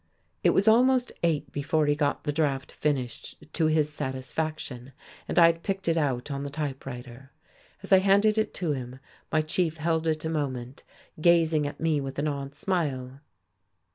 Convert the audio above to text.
It was almost eight before he got the draft finished to his satisfaction, and I had picked it out on the typewriter. As I handed it to him, my chief held it a moment, gazing at me with an odd smile.